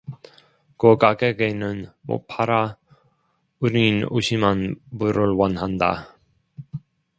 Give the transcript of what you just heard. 그 가격에는 못 팔아 우린 오십만 불을 원한다